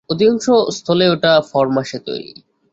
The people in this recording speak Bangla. অধিকাংশ স্থলেই ওটা ফরমাশে তৈরি।